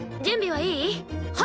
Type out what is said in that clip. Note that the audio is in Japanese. はい。